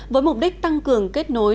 với mục đích tăng cường kết nối